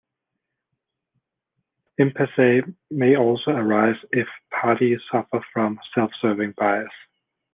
Impasse may also arise if parties suffer from self-serving bias.